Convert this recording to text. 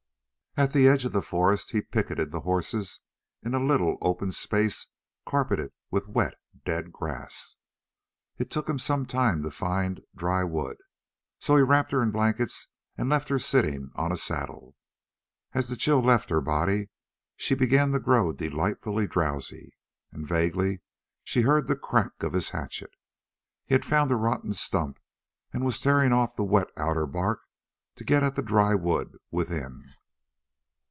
At the edge of the forest he picketed the horses in a little open space carpeted with wet, dead grass. It took him some time to find dry wood. So he wrapped her in blankets and left her sitting on a saddle. As the chill left her body she began to grow delightfully drowsy, and vaguely she heard the crack of his hatchet. He had found a rotten stump and was tearing off the wet outer bark to get at the dry wood within.